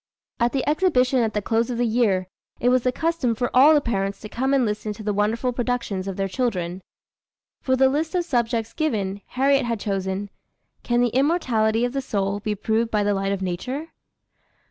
At the exhibition at the close of the year, it was the custom for all the parents to come and listen to the wonderful productions of their children. From the list of subjects given, Harriet had chosen, "Can the Immortality of the Soul be proved by the Light of Nature?"